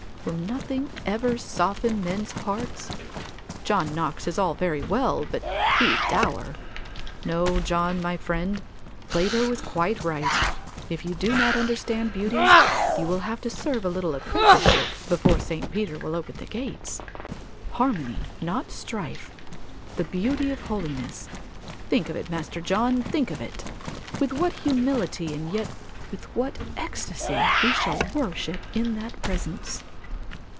Will nothing ever soften men's hearts? John Knox is all very well, but he's dour. No, John, my friend, Plato was quite right; if you do not understand beauty you will have to serve a little apprenticeship before St. Peter will open the gates. Harmony not strife, the Beauty of Holiness, think of it, Master John, think of it! With what humility and yet with what ecstasy we shall worship in that presence.